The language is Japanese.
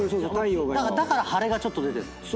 だから晴れがちょっと出てるんだ。